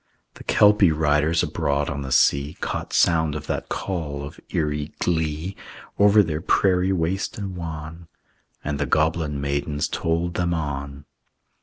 The Kelpie riders abroad on the sea Caught sound of that call of eerie glee, Over their prairie waste and wan; And the goblin maidens tolled them on.